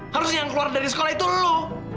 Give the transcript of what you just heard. harusnya yang keluar dari sekolah itu lo